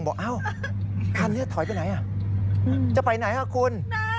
บอกว่าคันนี้ถอยไปไหนจะไปไหนครับคุณ